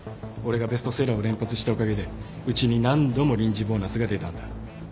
俺がベストセラーを連発したおかげでうちに何度も臨時ボーナスが出たんだ。